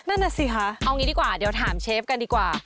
นั่นน่ะสิคะเอางี้ดีกว่าเดี๋ยวถามเชฟกันดีกว่า